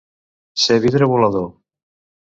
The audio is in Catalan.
Ser vidre volador.